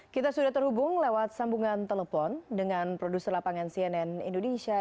kita sudah terhubung lewat sambungan telepon dengan produser lapangan cnn indonesia